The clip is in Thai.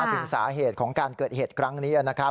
ถึงสาเหตุของการเกิดเหตุครั้งนี้นะครับ